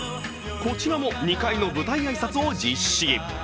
こちらも２回の舞台挨拶を実施。